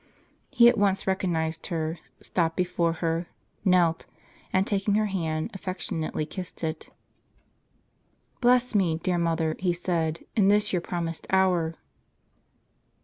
He at once recognized her, stopped before her, knelt, and taking her hand, affectionately kissed it. "Bless me, dear mother," he said, "in this your promised hour."